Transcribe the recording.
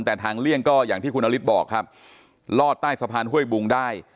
แต่ทางเลี่ยงก็อย่างที่คุณนฤทธิ์บอกครับลอดใต้สะพานห้วยบุงได้